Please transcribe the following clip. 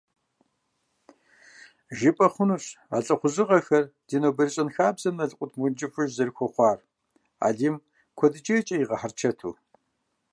ЖыпӀэ хъунущ а лӀыхъужьыгъэхэр ди нобэрей щэнхабзэм налкъут мыункӀыфӀыж зэрыхуэхъуар Алим куэдыкӀейкӀэ игъэхьэрычэту.